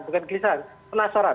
bukan gelisahan penasaran